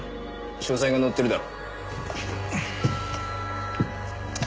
詳細が載ってるだろ。